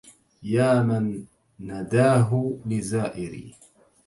يا من نداه لزائري